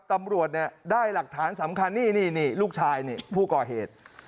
ตำรวจได้หลักฐานสำคัญนี่ลูกชายผู้ก่อเหตุ